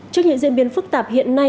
trước những diễn biến phức tạp hiện nay